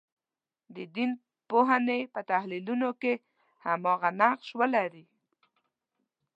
د دین پوهنې په تحلیلونو کې هماغه نقش ولري.